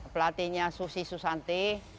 pelatihnya susi susanti